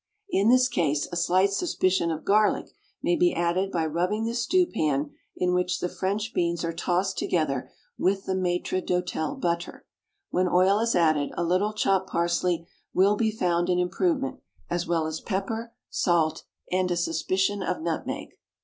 In this case, a slight suspicion of garlic may be added by rubbing the stew pan in which the French beans are tossed together with the Maitre d'hotel butter. When oil is added, a little chopped parsley will be found an improvement, as well as pepper, salt, and a suspicion of nutmeg.